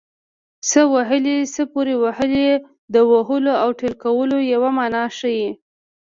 څه وهلی څه پورې وهلی د وهلو او ټېله کولو یوه مانا ښيي